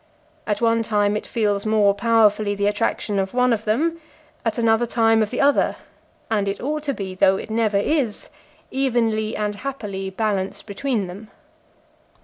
At one time it feels more powerfully the attraction of one of them, at another time of the other; and it ought to be, though it never is, evenly and happily balanced between them.